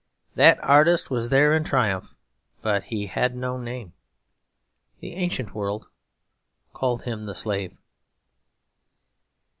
That artist was there in triumph; but he had no name. The ancient world called him the Slave.